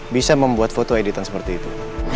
bisa membuat foto editan seperti itu